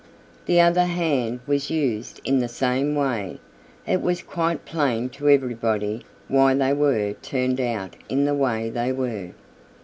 The other hand was used in the same way. It was quite plain to everybody why they were turned out in the way they were.